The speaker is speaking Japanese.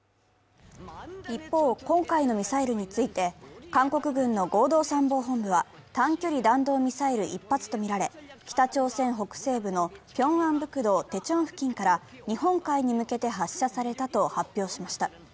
一方、今回のミサイルについて韓国軍の合同参謀本部は短距離弾道ミサイル１発とみられ、北朝鮮北西部のピョンアンプクド・テチョン付近から日本海に向けて発射されたと発表しました。